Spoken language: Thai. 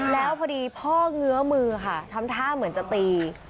แล้วพอดีพ่อเงื้อมือค่ะทำท่าเหมือนจะตี